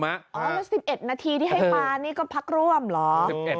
แล้ว๑๑นาทีที่ให้ปลานี่ก็พักร่วมเหรอ